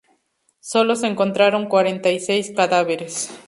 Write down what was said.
Sólo se encontraron cuarenta y seis cadáveres.